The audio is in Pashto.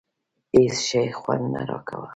هېڅ شي خوند نه راکاوه.